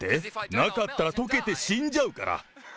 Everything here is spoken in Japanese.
なかったら溶けて死んじゃうから。